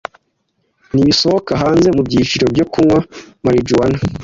Nibisohoka hanze mubyiciro byo kunywa marijuwana?